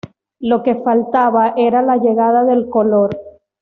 Lo que faltaba, era la llegada del color.